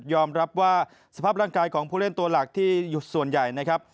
รับว่าสภาพร่างกายของผู้เล่นตัวหลักที่ส่วนใหญ่นะครับ